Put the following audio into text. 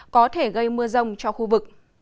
có thể gây mưa rông cho khu vực